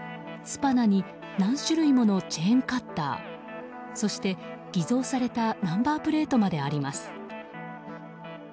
スパナに何種類ものチェーンカッターそして偽造されたナンバープレートまであります。